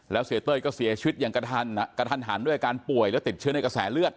แล้วเสียเต้ยก็เสียชีวิตอย่างกระทันหันด้วยอาการป่วยและติดเชื้อในกระแสเลือด